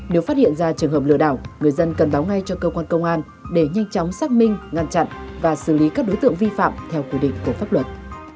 nếu phát hiện ra trường hợp lừa đảo người dân cần báo ngay cho cơ quan công an để nhanh chóng xác minh ngăn chặn và xử lý các đối tượng vi phạm theo quy định của pháp luật